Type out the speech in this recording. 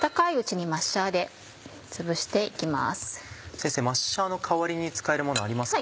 先生マッシャーの代わりに使えるものはありますか？